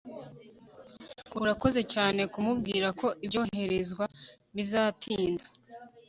urakoze cyane kumbwira ko ibyoherezwa bizatinda